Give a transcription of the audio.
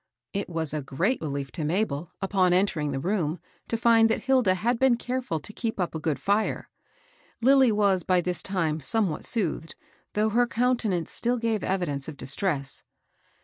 It was a great relief to Mabel, upon entering the room, to find that Hilda had been careAil to keep up a good fire. Lilly was by this time somewhat soothed, though her countenance still gave evidence of dis tress.